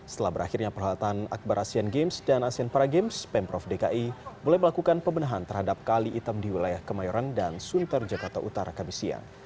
setelah berakhirnya peralatan akbar asian games dan asean para games pemprov dki mulai melakukan pembenahan terhadap kali hitam di wilayah kemayoran dan sunter jakarta utara kami siang